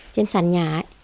trên sàn nhà ấy